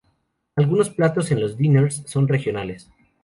Algunos platos en los "diners" son regionales.